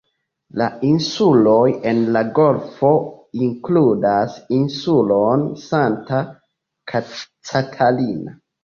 La insuloj en la golfo inkludas insulon Santa Catalina.